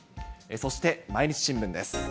そして、毎日新聞です。